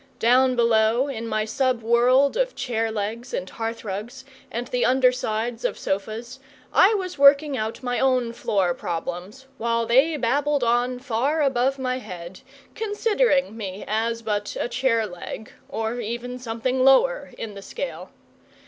Down below, in my sub world of chair legs and hearthrugs and the undersides of sofas, I was working out my own floor problems, while they babbled on far above my head, considering me as but a chair leg, or even something lower in the scale.